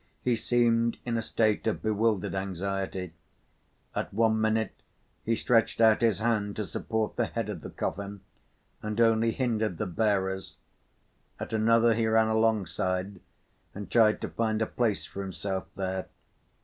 He seemed in a state of bewildered anxiety. At one minute he stretched out his hand to support the head of the coffin and only hindered the bearers, at another he ran alongside and tried to find a place for himself there.